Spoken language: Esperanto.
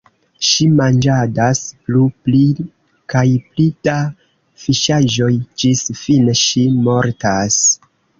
Ŝi manĝadas plu, pli kaj pli da fiŝaĵoj, ĝis fine ŝi – mortas.